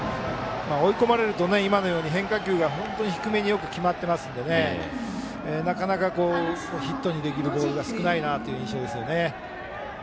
追い込まれると今のように変化球が本当に低めに決まっていますのでなかなかヒットにできるボールが少ないなという印象ですね。